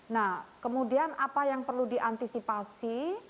nah kemudian apa yang perlu diantisipasi